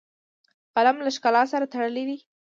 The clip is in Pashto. قلم له ښکلا سره تړلی دی